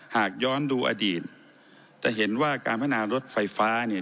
หากย้อนดูอดีตจะเห็นว่าการพัฒนารถไฟฟ้าเนี่ย